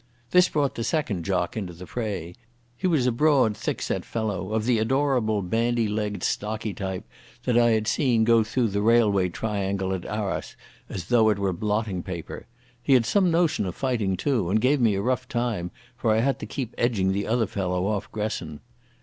This brought the second jock into the fray. He was a broad, thickset fellow, of the adorable bandy legged stocky type that I had seen go through the Railway Triangle at Arras as though it were blotting paper. He had some notion of fighting, too, and gave me a rough time, for I had to keep edging the other fellow off Gresson.